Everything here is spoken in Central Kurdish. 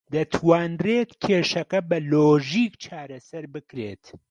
دەتوانرێت کێشەکە بە لۆژیک چارەسەر بکرێت.